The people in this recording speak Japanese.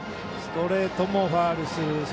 ストレートもファウルする。